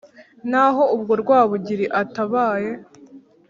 Naho ubwo Rwabugili atabaye,